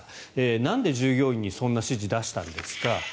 なんで従業員にそんな指示を出したんですか？